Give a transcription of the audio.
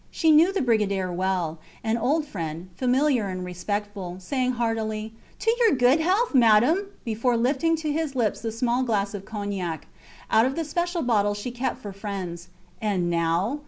She knew the brigadier well an old friend, familiar and respectful, saying heartily, To your good health, Madame! before lifting to his lips the small glass of cognac out of the special bottle she kept for friends. And now!